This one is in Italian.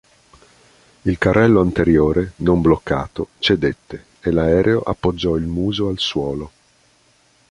Il carrello anteriore, non bloccato, cedette, e l'areo appoggiò il muso al suolo.